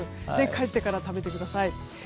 帰ってから食べてください。